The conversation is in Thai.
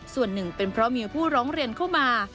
ส่วนหนึ่งเป็นเพราะมีผู้ร้องเรียนเข้ามา